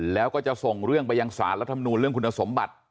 แล้วก็จะส่งเรื่องไปยังสารรัฐมนูลเรื่องคุณสมบัติ